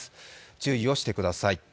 注意をしてください。